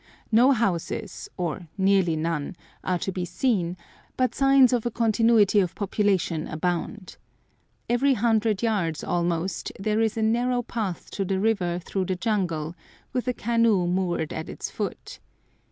No houses, or nearly none, are to be seen, but signs of a continuity of population abound. Every hundred yards almost there is a narrow path to the river through the jungle, with a canoe moored at its foot.